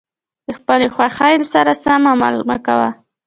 د خپلې خوښې سره سم عمل مه کوه.